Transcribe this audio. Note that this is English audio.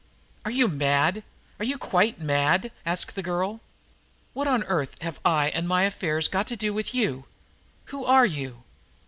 "Are you mad are you quite mad?" asked the girl. "What on earth have I and my affairs got to do with you? Who are you?"